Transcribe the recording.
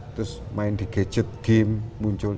terus main di gadget game muncul